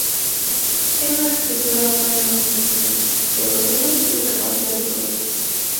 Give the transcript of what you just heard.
Tiene una arquitectura basada en dos dimensiones: de proceso y de capacidad de proceso.